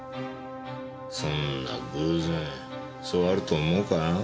そんな偶然そうあると思うか？